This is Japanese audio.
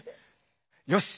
よし！